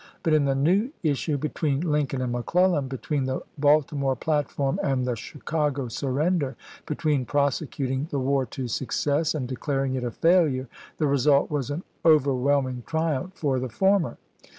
But in the new issue between Lin coln and McClellan, between the Baltimore platform and the Chicago surrender, between prosecuting the war to success and declaring it a failure, the result was an overwhelming triumph for the former.